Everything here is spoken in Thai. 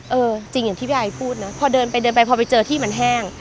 เออจริงอย่างที่พี่ไอพูดนะพอเดินไปเดินไปพอไปเจอที่มันแห้ง